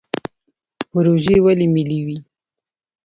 پروژې ولې ملي وي؟